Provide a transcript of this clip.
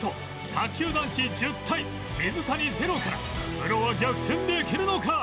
卓球男子１０対水谷０からプロは逆転できるのか？